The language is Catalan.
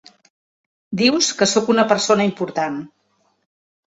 Dius que sóc una persona important.